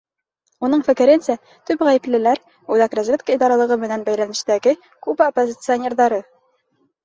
Уның фекеренсә, төп ғәйеплеләр — Үҙәк разведка идаралығы менән бәйләнештәге Куба оппозиционерҙары.